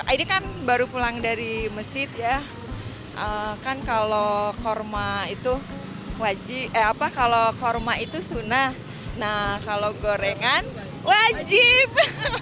ini kan baru pulang dari mesit ya kan kalau korma itu sunah nah kalau gorengan wajib